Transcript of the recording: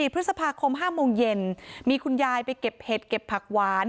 พฤษภาคม๕โมงเย็นมีคุณยายไปเก็บเห็ดเก็บผักหวาน